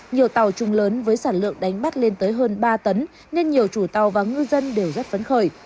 nhiều tàu trùng lớn với sản lượng đánh bắt lên tới hơn ba tấn nên nhiều chủ tàu và ngư dân đều rất phấn khởi